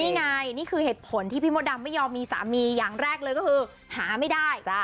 นี่ไงนี่คือเหตุผลที่พี่มดดำไม่ยอมมีสามีอย่างแรกเลยก็คือหาไม่ได้